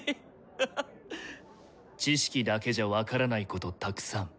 知識だけじゃ分からないことたくさん。